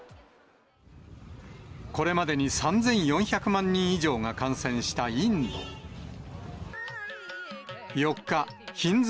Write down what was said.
これまでに３４００万人以上が感染したインド。